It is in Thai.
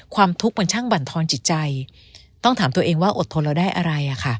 ความทุกข์มันช่างบรรทอนจิตใจต้องถามตัวเองว่าอดทนแล้วได้อะไร